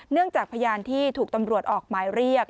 จากพยานที่ถูกตำรวจออกหมายเรียก